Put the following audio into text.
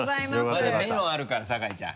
まだメロンあるから酒井ちゃん。